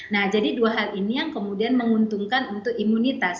nah jadi dua hal ini yang kemudian menguntungkan untuk imunitas